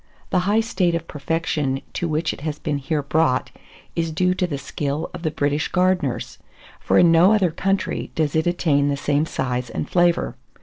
The high state of perfection to which it has been here brought, is due to the skill of the English gardeners; for in no other country does it attain the same size and flavour.